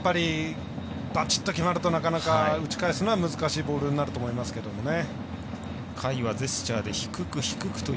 バチッと決まるとなかなか打ち返すのは難しいボールになると思いますけどね。